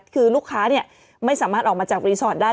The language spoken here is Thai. คือลูกค้าไม่สามารถออกมาจากรีสอร์ทได้